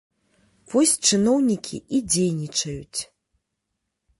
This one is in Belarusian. Вось чыноўнікі і дзейнічаюць!